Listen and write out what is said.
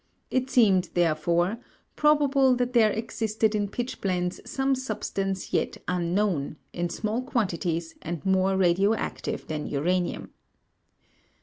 It seemed, therefore, probable that there existed in pitchblendes some substance yet unknown, in small quantities and more radioactive than uranium.